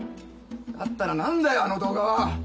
だったら何だよあの動画は！